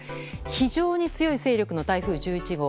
非常に強い勢力の台風１１号。